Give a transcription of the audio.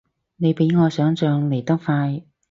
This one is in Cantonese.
你比我想像嚟得快